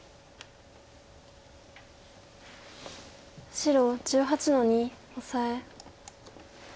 白１８の二オサエ。